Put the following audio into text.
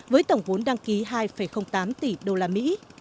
với tổng vốn đăng ký hai tám tỷ usd